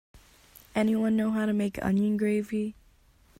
Anyone know how to make onion gravy?